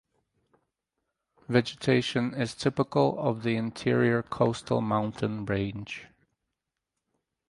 Vegetation is typical of the interior coastal mountain range.